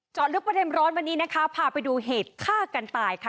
ลึกประเด็นร้อนวันนี้นะคะพาไปดูเหตุฆ่ากันตายค่ะ